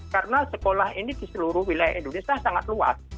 karena sekolah ini di seluruh wilayah indonesia sangat luas